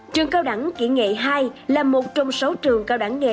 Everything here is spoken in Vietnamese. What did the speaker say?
trường cao đẳng kỹ nghệ hai là một trong sáu trường cao đẳng nghề